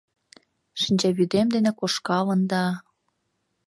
Шинчавӱдем дене кошкалын да